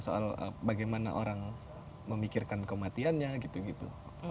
soal bagaimana orang memikirkan kematiannya gitu gitu